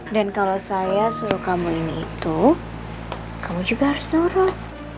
dan kalau saya suruh kamu ini itu kamu juga harus turun